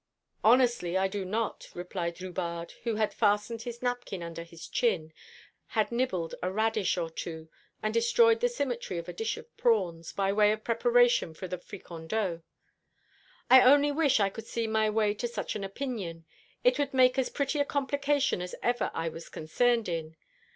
"Honestly, I do not," replied Drubarde, who had fastened his napkin under his chin, had nibbled a radish or two, and destroyed the symmetry of a dish of prawns, by way of preparation for the fricandeau. "I only wish I could see my way to such an opinion. It would make as pretty a complication as ever I was concerned in.